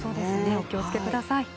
お気をつけください。